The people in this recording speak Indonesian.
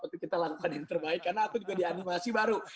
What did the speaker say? tapi kita lakukan yang terbaik karena aku juga dianimasi baru